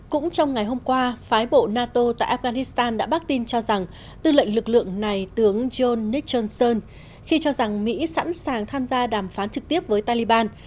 cũng trong ngày hôm qua phái bộ nato tại afghanistan đã bác tin cho rằng tư lệnh lực lượng này tướng john nikhonson khi cho rằng mỹ sẵn sàng tham gia đàm phán trực tiếp với taliban